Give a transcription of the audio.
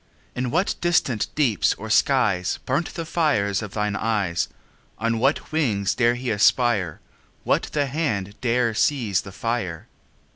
In what distant deeps or skies 5 Burnt the fire of thine eyes? On what wings dare he aspire? What the hand dare seize the fire?